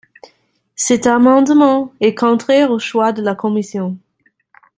Cet amendement est contraire aux choix de la commission.